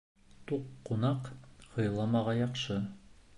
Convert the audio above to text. Туҡ ҡунаҡ һыйламаға яҡшы.